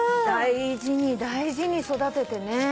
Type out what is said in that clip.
大事に大事に育ててね。